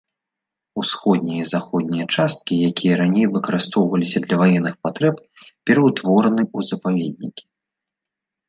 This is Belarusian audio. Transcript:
Усходняя і заходняя часткі, якія раней выкарыстоўваліся для ваенных патрэб, пераўтвораны ў запаведнікі.